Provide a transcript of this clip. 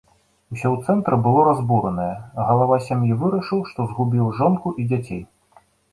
Усё ў цэнтры было разбуранае, галава сям'і вырашыў, што згубіў жонку і дзяцей.